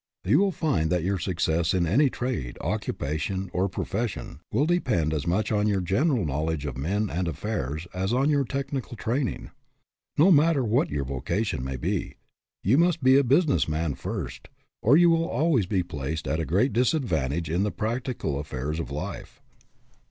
You will find that your success in any trade, occupation, or profession will depend as much on your general knowledge of men and affairs as on your technical training. No matter what your vocation may be, you must be a business man first, or you will al ways be placed at a great disadvantage in the practical affairs of life.